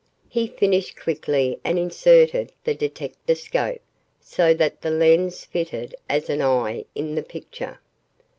He finished quickly and inserted the detectascope so that the lens fitted as an eye in the picture.